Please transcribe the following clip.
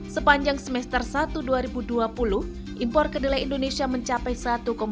sepanjang semester satu dua ribu dua puluh impor kedelai indonesia mencapai satu dua puluh tujuh juta ton